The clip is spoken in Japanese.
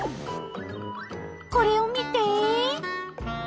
これを見て！